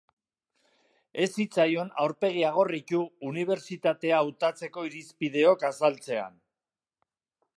Ez zitzaion aurpegia gorritu unibertsitatea hautatzeko irizpideok azaltzean.